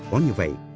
có như vậy